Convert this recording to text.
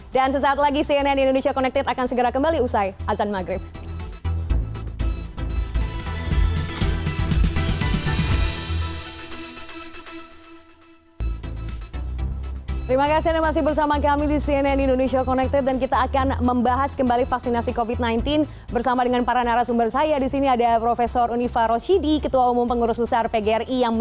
dan sesaat lagi cnn indonesia connected akan segera kembali usai azan maghrib